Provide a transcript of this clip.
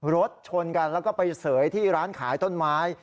รถชนกันแล้วก็ไปเสยที่ร้านขายต้นไม้